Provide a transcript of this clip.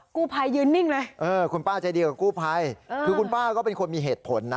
กู้ภัยยืนนิ่งเลยเออคุณป้าใจดีกับกู้ภัยคือคุณป้าก็เป็นคนมีเหตุผลนะ